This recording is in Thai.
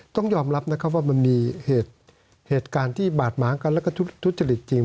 ต้องยอมรับนะครับว่ามันมีเหตุการณ์ที่บาดหมางกันแล้วก็ทุจริตจริง